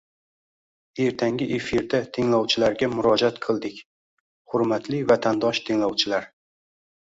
Ertangi efirda tinglovchilarga murojaat qildik: «Hurmatli vatandosh tinglovchilar.